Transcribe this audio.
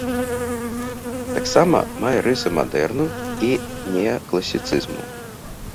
Таксама мае рысы мадэрну і неакласіцызму.